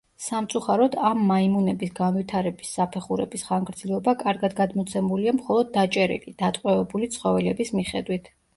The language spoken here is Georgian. სამწუხაროდ, ამ მაიმუნების განვითარების საფეხურების ხანგრძლივობა კარგად გადმოცემულია მხოლოდ დაჭერილი, დატყვევებული ცხოველების მიხედვით.